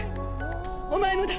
お前もだ！